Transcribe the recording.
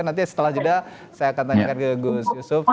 nanti setelah jeda saya akan tanyakan ke gus yusuf